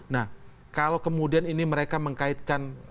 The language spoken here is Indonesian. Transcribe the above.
nah kalau kemudian ini mereka mengkaitkan